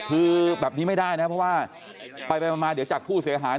คือแบบนี้ไม่ได้นะเพราะว่าไปมาเดี๋ยวจากผู้เสียหาย